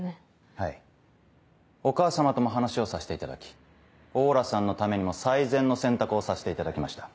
はいお母様とも話をさせていただき王羅さんのためにも最善の選択をさせていただきました。